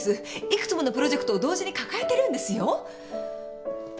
幾つものプロジェクトを同時に抱えてるんですよ。